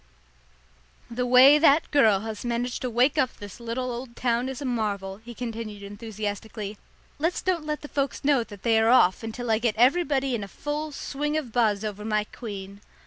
"The way that girl has managed to wake up this little old town is a marvel," he continued enthusiastically. "Let's don't let the folks know that they are off until I get everybody in a full swing of buzz over my queen."